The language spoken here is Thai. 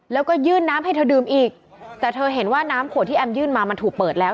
แล้วก็ยื่นน้ำให้เธอดื่มอีกแต่เธอเห็นว่าน้ำขวดที่แอมยื่นมามันถูกเปิดแล้ว